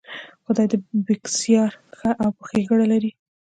خدای دې بېکسیار ښه او په ښېګړه لري.